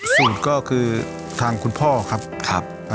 สูตรก็คือทางคุณพ่อครับ